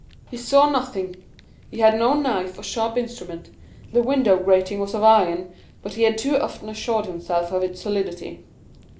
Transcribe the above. He saw nothing, he had no knife or sharp instrument, the window grating was of iron, but he had too often assured himself of its solidity.